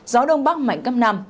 gió đông bắc mạnh cấp năm